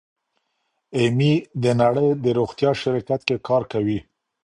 ایمي د نړۍ د روغتیا شرکت کې کار کوي.